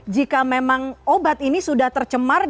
jika memang obat ini sudah tercemar